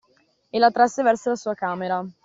E la trasse verso la sua camera.